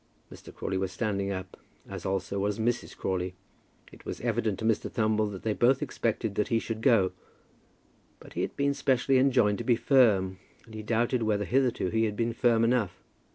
Mr. Crawley was standing up, as also was Mrs. Crawley. It was evident to Mr. Thumble that they both expected that he should go. But he had been specially enjoined to be firm, and he doubted whether hitherto he had been firm enough.